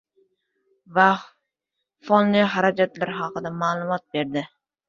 “Vaqf” fondi xarajatlar haqida ma’lumot berdi